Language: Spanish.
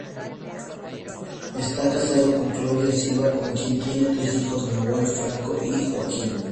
Está casado con Claudia Silva con quien tiene tres hijos, Nahuel, Franco y Joaquín.